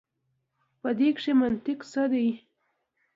په دې کښي منطق څه دی.